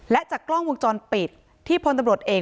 และจากกล้องวงจรปิดที่พลตำรวจเอก